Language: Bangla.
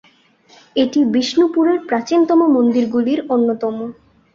এটি বিষ্ণুপুরের প্রাচীনতম মন্দিরগুলির অন্যতম।